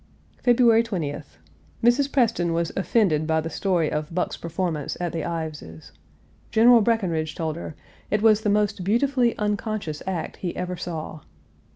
February 20th. Mrs. Preston was offended by the story of Buck's performance at the Ive's. General Breckinridge told her "it was the most beautifully unconscious act he ever saw."